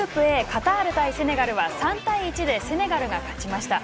カタール対セネガルは３対１でセネガルが勝ちました。